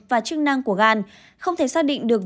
và chức năng của gan không thể xác định được